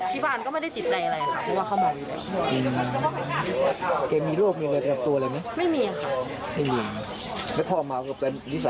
ที่บ้านก็ไม่ได้ติดในอะไรคือว่าเขามัวอยู่แหละ